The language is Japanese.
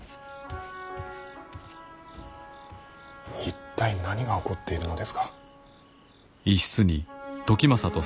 一体何が起こっているのですか。